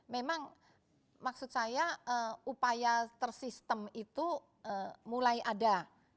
memang maksud saya upaya tersistem itu mulai ada